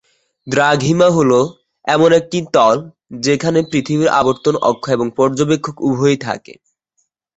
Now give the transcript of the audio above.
দ্রাঘিমা হল এমন একটি তল যেখানে পৃথিবীর আবর্তন অক্ষ এবং পর্যবেক্ষক উভয়ই থাকে।